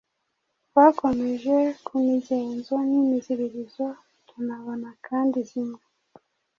Twakomoje ku migenzo n’imiziririzo, tunabona kandi zimwe